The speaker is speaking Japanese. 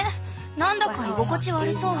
何だか居心地悪そう。